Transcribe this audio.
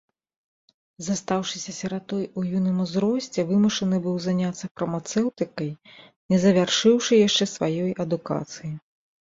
Застаўшыся сіратой ў юным узросце, вымушаны быў заняцца фармацэўтыкай, не завяршыўшы яшчэ сваёй адукацыі.